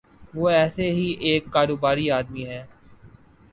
وہ ایسے ہی ایک کاروباری آدمی ہیں۔